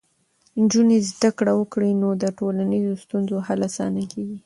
نجونې زده کړه وکړي، نو د ټولنیزو ستونزو حل اسانېږي.